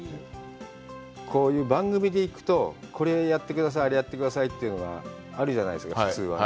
こういう番組で行くと、これやってくださいあれやってくださいというのがあるじゃないですか、普通は。